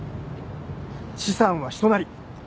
資産は人なり。